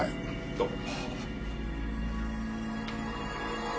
どうも。